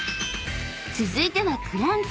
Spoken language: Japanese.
［続いては］